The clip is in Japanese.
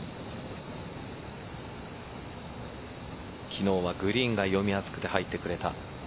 昨日はグリーンが読みやすくて入ってくれた。